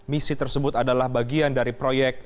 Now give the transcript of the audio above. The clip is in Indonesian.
misi tersebut adalah bagian dari proyek